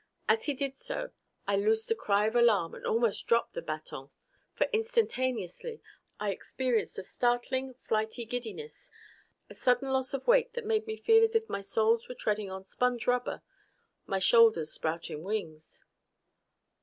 As he did so, I loosed a cry of alarm and almost dropped the baton. For instantaneously I experienced a startling, flighty giddiness, a sudden loss of weight that made me feel as if my soles were treading on sponge rubber, my shoulders sprouting wings.